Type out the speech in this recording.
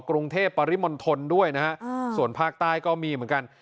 กรุงเทพปริมณฑลด้วยนะฮะส่วนภาคใต้ก็มีเหมือนกัน